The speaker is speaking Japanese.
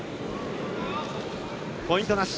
ポイントなし。